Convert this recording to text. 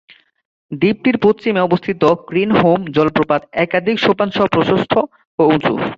দ্বীপটির পশ্চিমে অবস্থিত ক্রিনহোম জলপ্রপাত একাধিক সোপানসহ প্রশস্ত ও উঁচু।